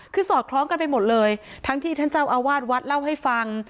คือสอดคล้องกันไปหมดเลยทั้งที่ท่านเจ้าอาวาสวัดเล่าให้ฟัง